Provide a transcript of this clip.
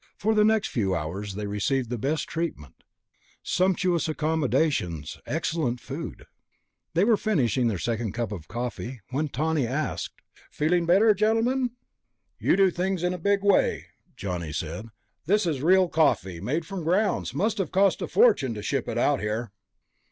For the next few hours they received the best treatment, sumptuous accommodations, excellent food. They were finishing their second cup of coffee when Tawney asked, "Feeling better, gentlemen?" "You do things in a big way," Johnny said. "This is real coffee, made from grounds. Must have cost a fortune to ship it out here."